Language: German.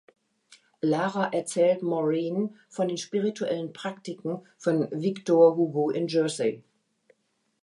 Lara erzählt Maureen von den spirituellen Praktiken von Victor Hugo in Jersey.